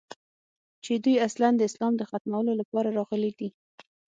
چې دوى اصلاً د اسلام د ختمولو لپاره راغلي دي.